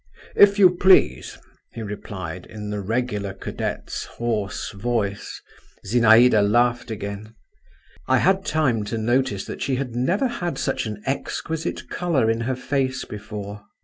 "If you please," he replied, in the regular cadet's hoarse voice. Zinaïda laughed again…. I had time to notice that she had never had such an exquisite colour in her face before.